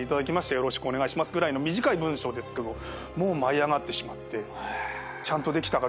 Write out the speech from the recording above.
よろしくお願いしますぐらいの短い文章ですけどもう舞い上がってしまって。